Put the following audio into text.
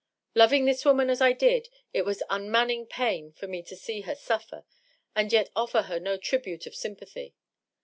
Loving this woman as I did, it was unmanning pain for me to see her suffer and yet offer her no tribute of sympathy.